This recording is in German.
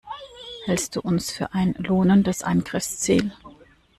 Hältst du uns für ein lohnendes Angriffsziel?